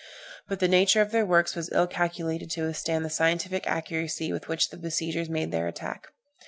But the nature of their works was ill calculated to withstand the scientific accuracy with which the besiegers made their attack.